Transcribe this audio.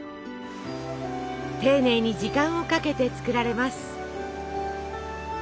丁寧に時間をかけて作られます。